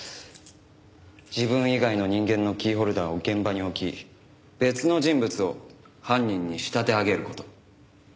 自分以外の人間のキーホルダーを現場に置き別の人物を犯人に仕立て上げる事。